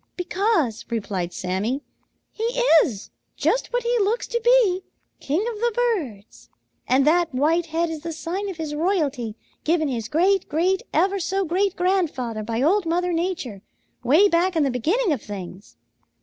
"Because," replied Sammy, "he is just what he looks to be, king of the birds, and that white head is the sign of his royalty given his great great ever so great grandfather by Old Mother Nature, way back in the beginning of things."